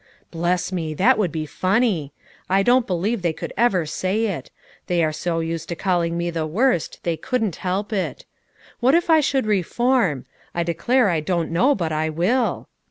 Bless me! that would be funny; I don't believe they could ever say it; they are so used to calling me the worst, they couldn't help it. What if I should reform? I declare I don't know but I will."